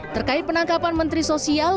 terkait penangkapan menteri sosial